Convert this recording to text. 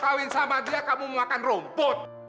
kawin sama dia kamu makan rumput